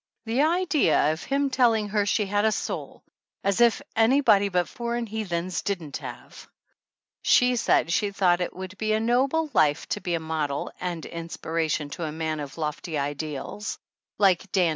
109 THE ANNALS OF ANN The idea of him telling her she had a soul as if anybody but foreign heathens didn't have! She said she thought it would be a noble life to be a model and inspiration to a man of lofty ideals like Dan T.